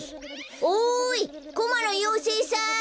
おいコマのようせいさん！